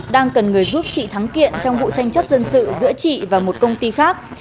đang cần người giúp chị thắng kiện trong vụ tranh chấp dân sự giữa chị và một công ty khác